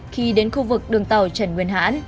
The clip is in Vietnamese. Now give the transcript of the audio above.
khi đến khu vực đường tàu trần nguyên hãn